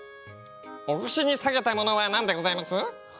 お腰に提げたものは何でございます？